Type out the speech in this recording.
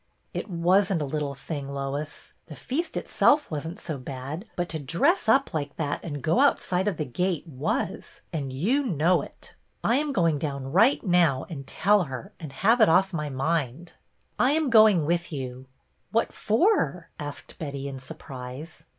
" It was n't a little thing, Lois. The feast itself was n't so bad, but to dress up like that and go outside of the gate was, and you know it. I am going down right now and tell her and have it off my mind." A feast — NEW TEACHER 183 " I am going with you." " What for ?" asked Betty, in surprise.